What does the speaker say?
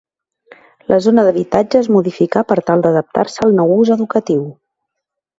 La zona d'habitatge es modificà per tal d'adaptar-se al nou ús educatiu.